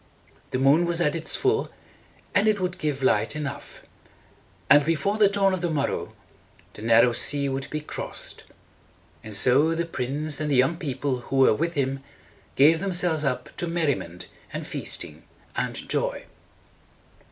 The moon was at its full, and it would give light enough; and before the dawn of the morrow, the narrow sea would be crossed. And so the prince, and the young people who were with him, gave themselves up to mer ri ment and feasting and joy.